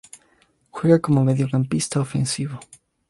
Juega como Mediocampista ofensivo.